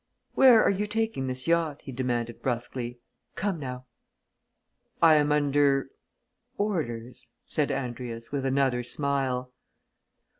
"Where are you taking this yacht?" he demanded brusquely. "Come, now!" "I am under orders," said Andrius, with another smile.